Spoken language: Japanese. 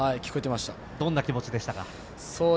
どんな気持ちでしたか？